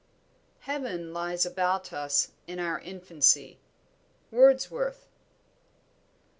"Heaven lies about us in our infancy." WORDSWORTH.